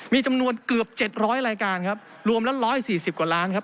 มีจำนวนเกือบ๗๐๐รายการครับรวมแล้ว๑๔๐กว่าล้านครับ